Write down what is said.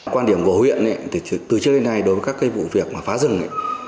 quan điểm của huyện từ trước đến nay đối với các vụ việc phá rừng